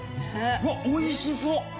うわっ美味しそう！